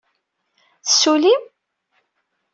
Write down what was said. Tessullim?